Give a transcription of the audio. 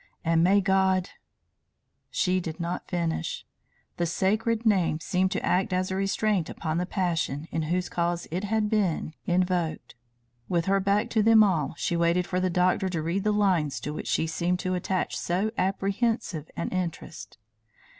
"And may God " She did not finish. The sacred name seemed to act as a restraint upon the passion in whose cause it had been invoked. With her back to them all she waited for the doctor to read the lines to which she seemed to attach so apprehensive an interest.